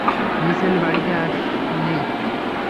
মিশেল বাড়িতে নেই।